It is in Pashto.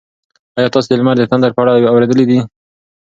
ایا تاسي د لمر د تندر په اړه اورېدلي دي؟